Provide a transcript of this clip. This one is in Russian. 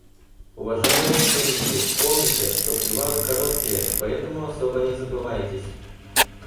Уважаемые туристы, помните, что привалы короткие, поэтому особо не забывайтесь.